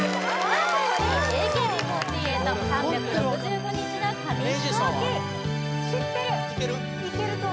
あ最後にＡＫＢ４８「３６５日の紙飛行機」ＭａｙＪ．さんは？